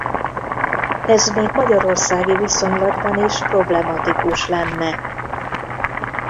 Ez még magyarországi viszonylatban is problematikus lenne.